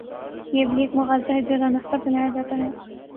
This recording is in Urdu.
یہ بھی ایک مغالطہ ہے جو دانستہ پھیلایا جا تا ہے۔